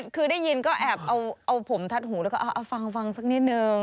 คือได้ยินก็แอบเอาผมทัดหูแล้วก็เอาฟังสักนิดนึง